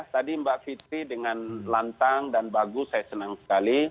tadi mbak fitri dengan lantang dan bagus saya senang sekali